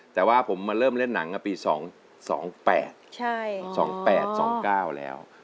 แต่ว่าผมมาเริ่มเล่นหนังปี๒๘๒๘๒๙แล้ว